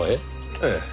ええ。